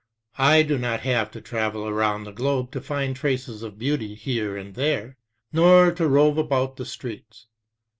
I do not have to travel round the globe to find traces of beauty here and there, nor to rove about the streets.